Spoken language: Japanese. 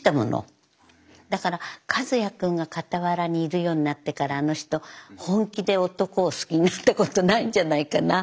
だから和也君が傍らにいるようになってからあの人本気で男を好きになった事ないんじゃないかな。